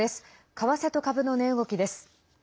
為替と株の値動きです。